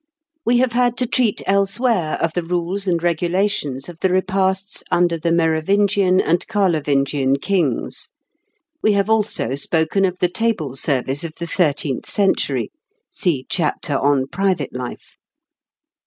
We have had to treat elsewhere of the rules and regulations of the repasts under the Merovingian and Carlovingian kings. We have also spoken of the table service of the thirteenth century (see chapter on "Private Life").